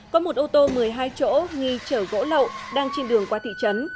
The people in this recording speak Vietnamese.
có một ô tô một mươi hai chỗ nghi chở gỗ lậu đang trên đường qua thị trấn